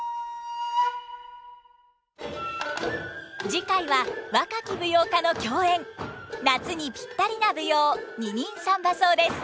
次回は若き舞踊家の競演夏にぴったりな舞踊「二人三番叟」です。